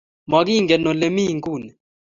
Magingen ole mi inguni